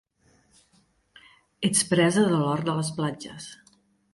Ets presa de l'or de les platges.